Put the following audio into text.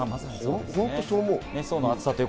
本当にそう思う。